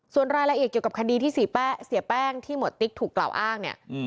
ส่วนรายละเอียดเกี่ยวกับคดีที่เสียแป้งที่หมวดติ๊กถูกกล่าวอ้างเนี่ย